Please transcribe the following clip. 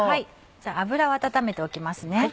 じゃあ油を温めておきますね。